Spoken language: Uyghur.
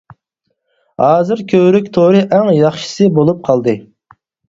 ھازىر كۆۋرۈك تورى ئەڭ ياخشىسى بولۇپ قالدى.